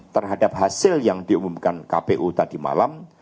terhadap hasil yang diumumkan kpu tadi malam